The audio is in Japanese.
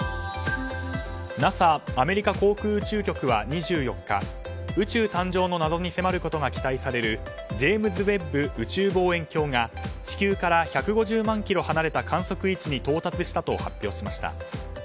ＮＡＳＡ・アメリカ航空宇宙局は２４日宇宙誕生の謎に迫ることが期待されるジェームズ・ウェッブ宇宙望遠鏡が地球から１５０万ｋｍ離れた観測位置に到達したと発表しました。